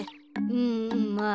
うんまあ